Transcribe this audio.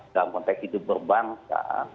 dalam konteks hidup berbangsa